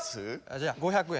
じゃあ５００円。